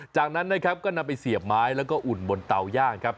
จากนั้นนะครับก็นำไปเสียบไม้แล้วก็อุ่นบนเตาย่างครับ